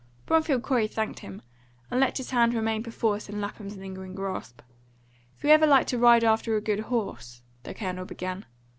Bromfield Corey thanked him, and let his hand remain perforce in Lapham's lingering grasp. "If you ever like to ride after a good horse " the Colonel began.